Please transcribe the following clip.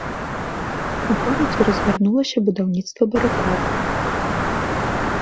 У горадзе разгарнулася будаўніцтва барыкад.